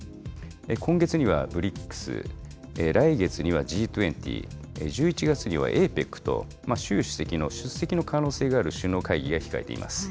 今月にはＢＲＩＣＳ、来月にはＧ２０、１１月にはＡＰＥＣと、習主席の出席の可能性がある首脳会議が控えています。